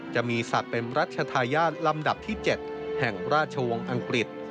จะมีศักดิ์เป็นรัชธาญาติลำดับที่๗แห่งราชวงศ์อังกฤษ